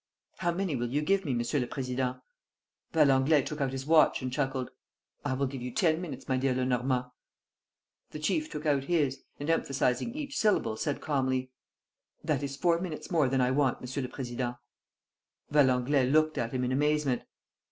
"How many will you give me, Monsieur le Président?" Valenglay took out his watch and chuckled: "I will give you ten minutes, my dear Lenormand!" The chief took out his, and emphasizing each syllable, said calmly: "That is four minutes more than I want, Monsieur le Président." Valenglay looked at him in amazement.